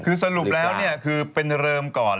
คือสรุปแล้วเนี่ยคือเป็นเริ่มก่อน